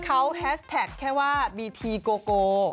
เขาแฮสแท็กแค่ว่าบีทีโกโก